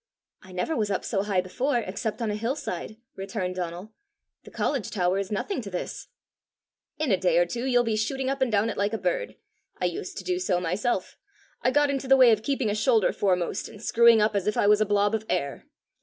"I never was up so high before, except on a hill side," returned Donal. "The college tower is nothing to this!" "In a day or two you'll be shooting up and down it like a bird. I used to do so myself. I got into the way of keeping a shoulder foremost, and screwing up as if I was a blob of air!